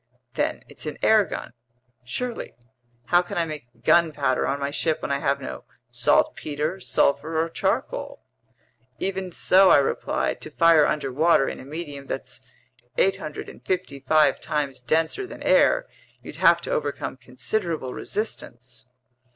"Then it's an air gun?" "Surely. How can I make gunpowder on my ship when I have no saltpeter, sulfur, or charcoal?" "Even so," I replied, "to fire underwater in a medium that's 855 times denser than air, you'd have to overcome considerable resistance."